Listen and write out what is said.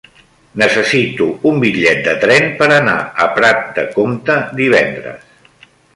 Necessito un bitllet de tren per anar a Prat de Comte divendres.